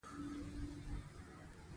په اډه کښې د چارسدې ګاډي ته وخېژه